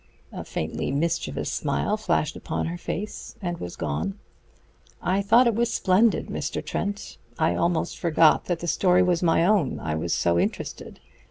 A faintly mischievous smile flashed upon her face and was gone. "I thought it was splendid, Mr. Trent I almost forgot that the story was my own, I was so interested.